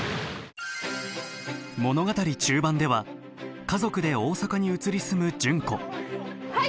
物語中盤では家族で大阪に移り住む純子はい！